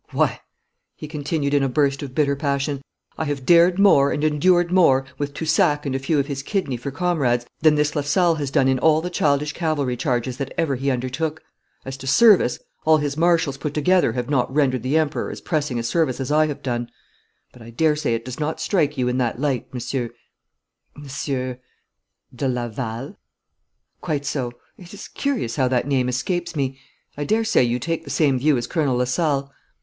Why,' he continued in a burst of bitter passion, 'I have dared more, and endured more, with Toussac and a few of his kidney for comrades, than this Lasalle has done in all the childish cavalry charges that ever he undertook. As to service, all his Marshals put together have not rendered the Emperor as pressing a service as I have done. But I daresay it does not strike you in that light, Monsieur Monsieur ' 'De Laval.' 'Quite so it is curious how that name escapes me. I daresay you take the same view as Colonel Lasalle?'